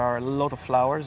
banyak bunga banyak warna